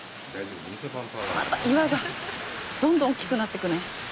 また岩がどんどん大きくなってくね。